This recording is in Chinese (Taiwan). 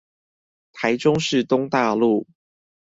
台中市東大路